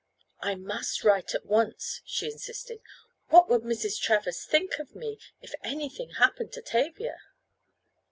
"I must write at once," she insisted. "What would Mrs. Travers think of me if anything happened to Tavia?"